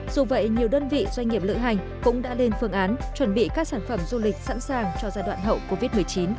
dù vậy nhiều đơn vị doanh nghiệp lựa hành cũng đã lên phương án chuẩn bị các sản phẩm du lịch sẵn sàng cho giai đoạn hậu covid một mươi chín